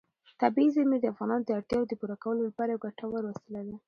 طبیعي زیرمې د افغانانو د اړتیاوو د پوره کولو لپاره یوه ګټوره وسیله ده.